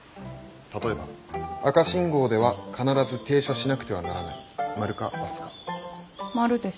例えば「赤信号では必ず停車しなくてはならない」○か×か。○です。×です。